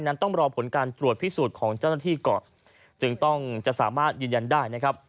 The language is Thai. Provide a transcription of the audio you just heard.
นั้นต้องรอผลการตรวจพิสูจน์ของเจ้าหน้าที่ก่อนจึงต้องจะสามารถยืนยันได้นะครับ